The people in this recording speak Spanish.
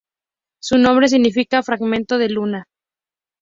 Su nombre significa "fragmento de luna".